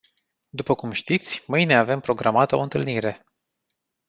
După cum știți, mâine avem programată o întâlnire.